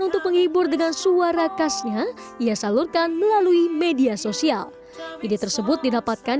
untuk menghibur dengan suara khasnya ia salurkan melalui media sosial ide tersebut didapatkan